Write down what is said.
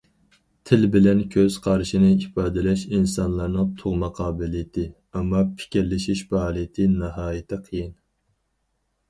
تىل بىلەن كۆز قارىشىنى ئىپادىلەش ئىنسانلارنىڭ تۇغما قابىلىيىتى، ئەمما پىكىرلىشىش پائالىيىتى ناھايىتى قىيىن.